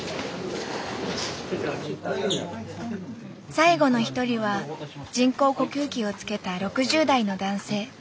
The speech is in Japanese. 最後の一人は人工呼吸器をつけた６０代の男性。